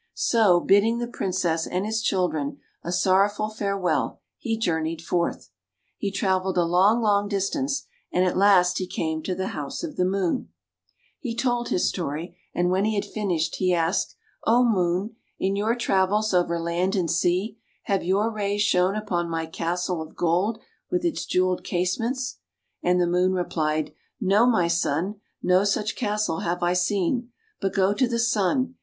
So, bidding the Princess and his children a sorrowful farewell, he journeyed forth. He traveled a long, long distance, and at last he came to the house of the Moon. [ 144 ] THE MAGIC SNUFF BOX He told his story, and when he had fin ished he asked, " Oh, Moon, in your travels over land and sea, have your rays shone upon my castle of gold with its jeweled casements? " And the Moon replied, "No, my son; no such castle have I seen. But go to the Sun.